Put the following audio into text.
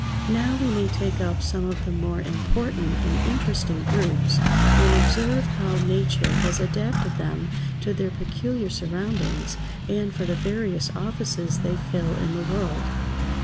Now we may take up some of the more important and interesting groups and observe how Nature has adapted them to their peculiar surroundings, and for the various offices they fill in the world.